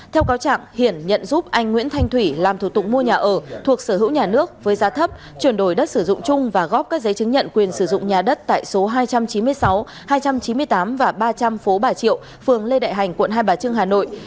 theo cáo trạng hiển nhận giúp anh nguyễn thanh thủy làm thủ tục mua nhà ở thuộc sở hữu nhà nước với giá thấp chuyển đổi đất sử dụng chung và góp các giấy chứng nhận quyền sử dụng nhà đất tại số hai trăm chín mươi sáu hai trăm chín mươi tám và ba trăm linh phố bà triệu phường lê đại hành quận hai bà trưng hà nội